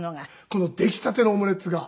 この出来たてのオムレツが。